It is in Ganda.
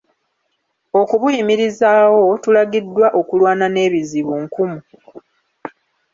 Okubuyimirizaawo, tulagiddwa okulwana n'ebizibu nkumu.